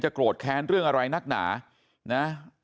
โกรธแค้นเรื่องอะไรนักหนานะ